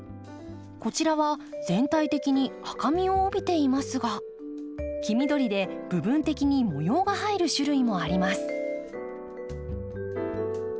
こちらは全体的に赤みを帯びていますが黄緑で部分的に模様が入る種類もあります。